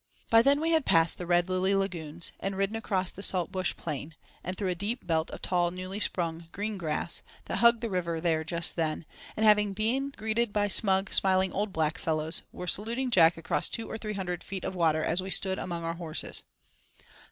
By then we had passed the Red Lily lagoons, and ridden across the salt bush plain, and through a deep belt of tall, newly sprung green grass, that hugged the river there just then, and having been greeted by smug, smiling old black fellows, were saluting Jack across two or three hundred feet of water, as we stood among our horses.